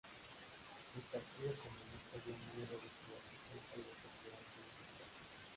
El Partido Comunista vio muy reducida su fuerza y descendió al segundo puesto.